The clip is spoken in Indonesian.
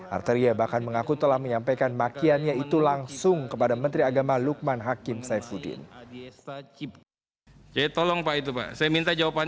arteria bahkan mengaku telah menyampaikan makiannya itu langsung kepada menteri agama lukman hakim saifuddin